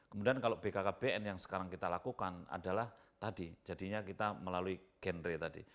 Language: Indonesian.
kemudian kalau bkkbn yang sekarang kita lakukan adalah tadi jadinya kita melalui genre tadi